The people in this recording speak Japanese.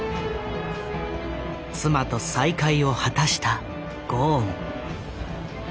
妻と再会を果たしたゴーン。